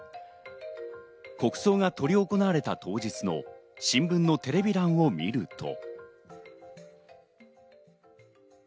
国葬が執り行われた当日の新聞のテレビ欄を見ると。